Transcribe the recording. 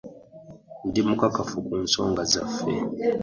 Ndi mukakafu ku nsonga zaffe.